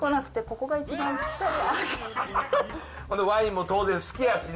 このワインも当然好きやしね。